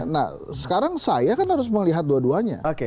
nah sekarang saya kan harus melihat dua duanya